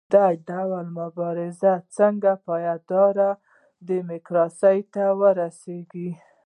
دا ډول مبارزې څنګه پایداره ډیموکراسۍ ته رسیږي؟